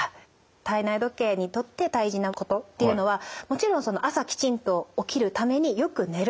体内時計にとって大事なことっていうのはもちろん朝きちんと起きるためによく寝ること